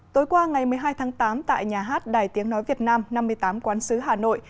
tối qua ngày một mươi hai tháng tám tại nhà hát đài tiếng nói việt nam năm mươi tám quán sứ hà nội